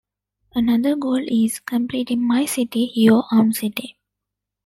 Another goal is completing "My City", your own city.